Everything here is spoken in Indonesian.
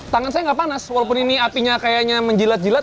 tangan saya nggak panas walaupun ini apinya kayaknya menjilat jilat